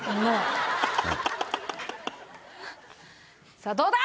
さあどうだ！？